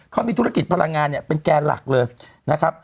เขามีธุรกิจพลังงานเนี่ยเป็นแกนหลักเลยนะครับ